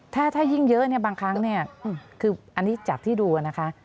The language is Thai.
ค่ะถ้ายิ่งเยอะบางครั้งคืออันนี้จากที่ดูนะคะ